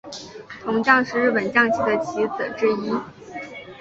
铜将是日本将棋的棋子之一。